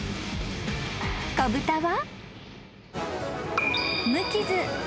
［子豚は？］